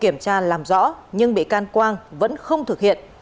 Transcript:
kiểm tra làm rõ nhưng bị can quang vẫn không thực hiện